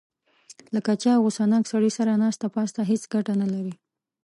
له کچه او غوسه ناک سړي سره ناسته پاسته هېڅ ګټه نه لري.